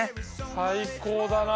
最高だな。